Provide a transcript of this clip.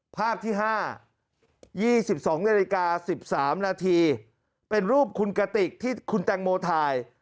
ภาพที่๕๒๒นาฬิกา๑๓นาทีเป็นรูปคุณกติกที่คุณแตงโมถ่าย